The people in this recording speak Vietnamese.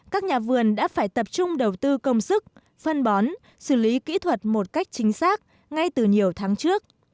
các nhà vườn đã phải tập trung đầu tư công sức phân bón xử lý kỹ thuật một cách chính xác ngay từ nhiều tháng trước